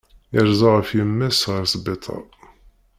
Yerza ɣef yemma-s ɣer sbiṭar.